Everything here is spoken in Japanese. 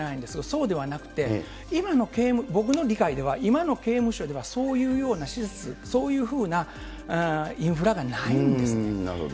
そうではなくて、今の、僕の理解では、今の刑務所ではそういうような施設、そういうふうなインフラがないんですね。